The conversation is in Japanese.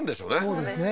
そうですね